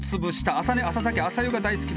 「朝寝朝酒朝湯が大好きで」